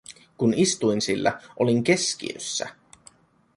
Kun istuin sillä, olin keskiössä.